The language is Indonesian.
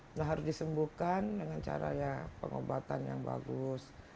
nggak harus disembuhkan dengan cara ya pengobatan yang bagus